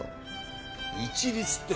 一律って。